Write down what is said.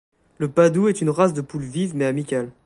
La padoue est une race de poules vives mais amicales.